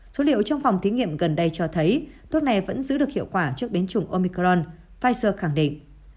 số liệu trong phòng thí nghiệm gần đây cho thấy thuốc này vẫn giữ được hiệu quả trước biến chủng omicron pfizer khẳng định